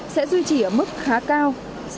sẽ duy trì ở mức khá cao